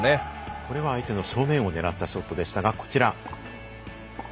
これは相手の正面を狙ったショットでしたがこちら。